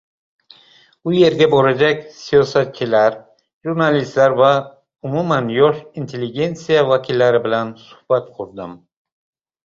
U yerda boʻlajak siyosatchilar, jurnalistlar va umuman yosh intelligensiya vakillari bilan suhbat qurdim.